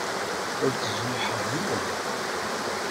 Ur ttjeyyiḥeɣ yiwen.